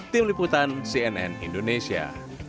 tim liputan cnn indonesia